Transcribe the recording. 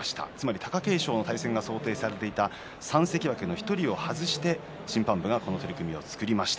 貴景勝の対戦が想定されていた３関脇の１人を外して審判部がこの取組を作りました。